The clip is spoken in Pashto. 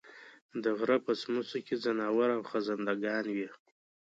د غرۀ په څمڅو کې ځناور او خزندګان وي